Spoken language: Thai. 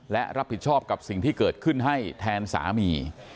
และรับผิดชอบกับสิ่งที่เกิดขึ้นให้แทนสามี